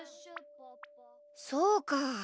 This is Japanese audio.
そうか。